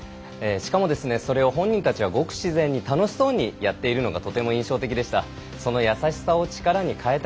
しかもそれを本人たちはごく自然に楽しそうにやってるのがとても印象的でした。